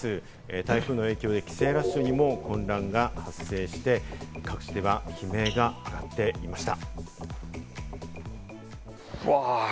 台風の影響で帰省ラッシュにも混乱が発生して、各地では悲鳴が上がっていました。